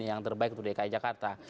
yang terbaik untuk dki jakarta